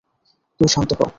তুই শান্ত হ।